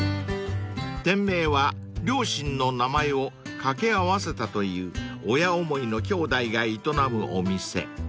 ［店名は両親の名前を掛け合わせたという親思いのきょうだいが営むお店］